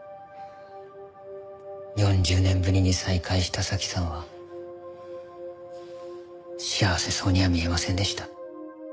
４０年ぶりに再会した早紀さんは幸せそうには見えませんでした。